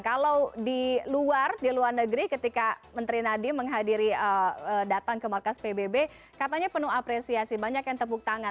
kalau di luar di luar negeri ketika menteri nadiem menghadiri datang ke markas pbb katanya penuh apresiasi banyak yang tepuk tangan